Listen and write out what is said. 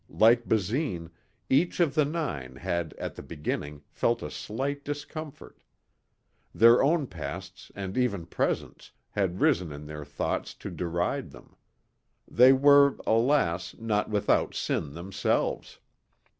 Like Basine, each of the nine had at the beginning felt a slight discomfort. Their own pasts and even presents had risen in their thought to deride them. They were, alas, not without sin themselves.